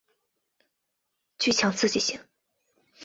具强刺激性。